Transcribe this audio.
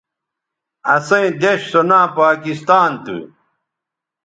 اسئیں دیݜ سو ناں پاکستاں تھو